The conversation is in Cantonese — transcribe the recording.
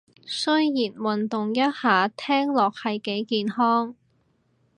雖然運動一下聽落係幾健康